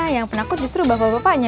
yang penakut justru bapak bapaknya